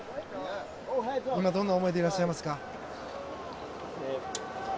今、どんな思いでいらっしゃいますか？